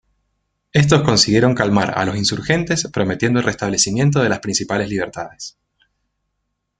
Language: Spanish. Estos consiguieron calmar a los insurgentes, prometiendo el restablecimiento de las principales libertades.